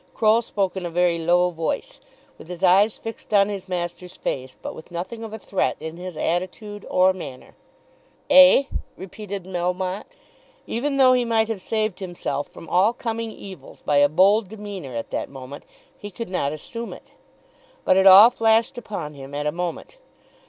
Croll spoke in a very low voice, with his eyes fixed on his master's face, but with nothing of a threat in his attitude or manner. [Illustration: "He thought I had better bring these back to you."] "Eh!" repeated Melmotte. Even though he might have saved himself from all coming evils by a bold demeanour at that moment, he could not assume it. But it all flashed upon him at a moment.